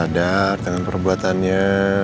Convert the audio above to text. elsa sadar dengan perbuatannya